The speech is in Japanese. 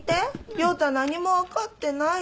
亮太何も分かってないの。